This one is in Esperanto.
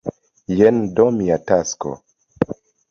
Jen do mia tasko!